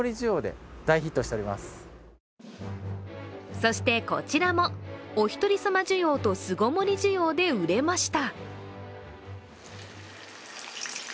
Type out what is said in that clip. そして、こちらもおひとり様需要と巣ごもり需要で売れました。